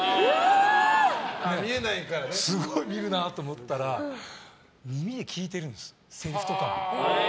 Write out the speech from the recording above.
すごい見るなと思ったら耳で聞いてるんです、せりふとか。